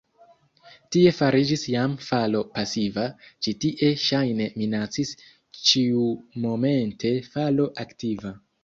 Tie fariĝis jam falo pasiva, ĉi tie ŝajne minacis ĉiumomente falo aktiva.